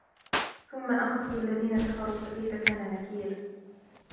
ثُمَّ أَخَذْتُ الَّذِينَ كَفَرُوا فَكَيْفَ كَانَ نَكِيرِ